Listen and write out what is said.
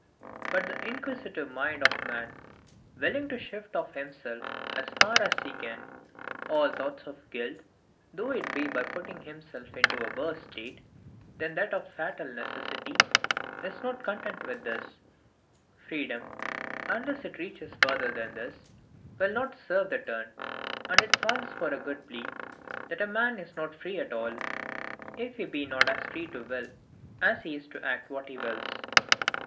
But the inquisitive mind of man, willing to shift off from himself, as far as he can, all thoughts of guilt, though it be by putting himself into a worse state than that of fatal necessity, is not content with this: freedom, unless it reaches further than this, will not serve the turn: and it passes for a good plea, that a man is not free at all, if he be not as FREE TO WILL as he is to ACT WHAT HE WILLS.